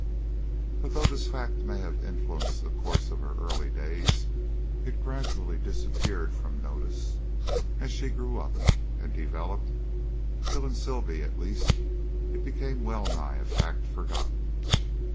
But though this fact may have influenced the course of her early days, it gradually disappeared from notice as she grew up and developed, till in Sibley, at least, it became wellnigh a fact forgotten.